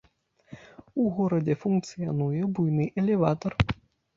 У горадзе функцыянуе буйны элеватар.